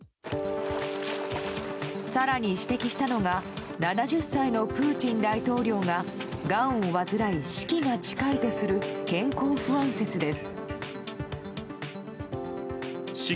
更に指摘したのが７０歳のプーチン大統領ががんを患い、死期が近いとする健康不安説です。